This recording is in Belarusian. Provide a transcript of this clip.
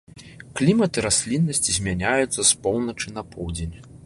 Клімат і расліннасць змяняюцца з поўначы на поўдзень.